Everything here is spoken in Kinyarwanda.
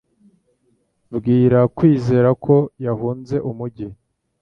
Bwira kwizera ko yahunze umujyi;